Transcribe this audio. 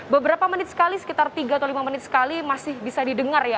beberapa menit sekali sekitar tiga atau lima menit sekali masih bisa didengar ya